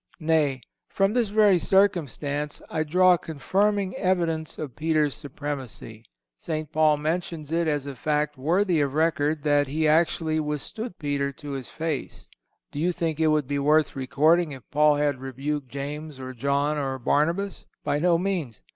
Nay, from this very circumstance, I draw a confirming evidence of Peter's supremacy. St. Paul mentions it as a fact worthy of record that he actually withstood Peter to his face. Do you think it would be worth recording if Paul had rebuked James or John or Barnabas? By no means.